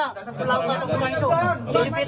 tidak berlangganan semua itu